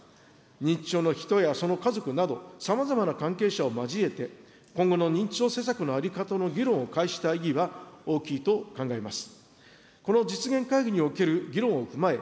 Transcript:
認知症の人やその家族など、さまざまな関係者を交えて、今後の認知症施策の在り方の議論を開始した意義は大きいと考えます。